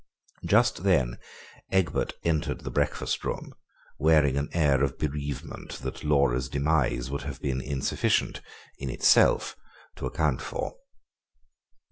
Just then Egbert entered the breakfast room, wearing an air of bereavement that Laura's demise would have been insufficient, in itself, to account for.